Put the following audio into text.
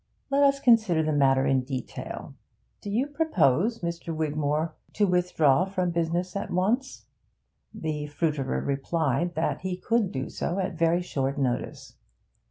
Let us consider the matter in detail. Do you propose, Mr. Wigmore, to withdraw from business at once?' The fruiterer replied that he could do so at very short notice.